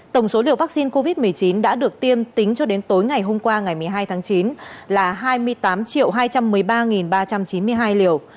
tổng số liều vaccine covid một mươi chín đã được tiêm tính cho đến tối ngày hôm qua ngày một mươi hai tháng chín là hai mươi tám hai trăm một mươi ba ba trăm chín mươi hai liều